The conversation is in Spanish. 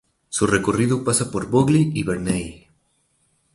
Su recorrido pasa por Broglie y Bernay.